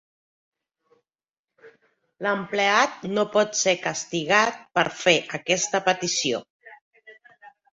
L'empleat no pot ser castigat per fer aquesta petició.